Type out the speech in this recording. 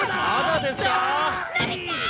のび太！